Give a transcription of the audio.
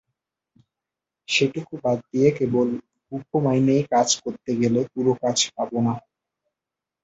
সেটুকু বাদ দিয়ে কেবল শুখো মাইনের কাজ করতে গেলে পুরো কাজ পাব না।